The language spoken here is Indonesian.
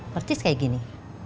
persis kayak gini